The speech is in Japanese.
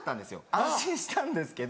安心したんですけど。